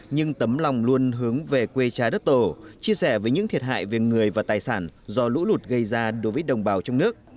nhưng tấm lòng luôn hướng về quê trái đất tổ chia sẻ với những thiệt hại về người và tài sản do lũ lụt gây ra đối với đồng bào trong nước